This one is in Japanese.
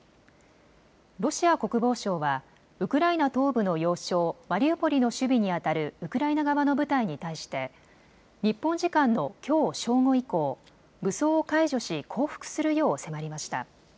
ロシア国防省は、ウクライナ東部の要衝マリウポリの守備にあたるウクライナ側の部隊に対して日本時間のきょう正午以降、武装を解除し降伏するよう迫りました。